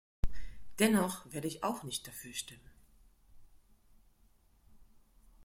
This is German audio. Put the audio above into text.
Dennoch werde ich auch nicht dafür stimmen.